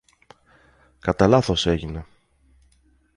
Κατά λάθος έγινε.